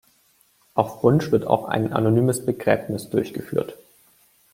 Auf Wunsch wird auch ein anonymes Begräbnis durchgeführt.